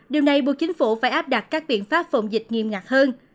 điều này buộc chính phủ phải áp đặt các biện pháp phòng dịch nghiêm ngặt hơn